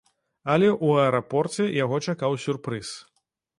Але ў аэрапорце яго чакаў сюрпрыз.